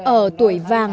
ở tuổi vàng